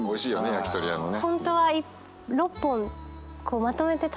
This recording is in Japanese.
焼き鳥屋のね。